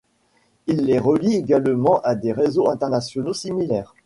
Il les relie également à des réseaux internationaux similaires.